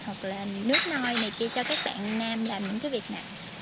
hoặc là nước nòi này kia cho các bạn nam làm những cái việc này